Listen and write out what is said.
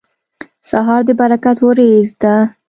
سهار د برکت وریځ ده.